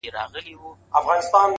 دا چي له کتاب سره ياري کوي!